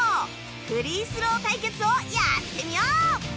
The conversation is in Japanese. フリースロー対決をやってみよう！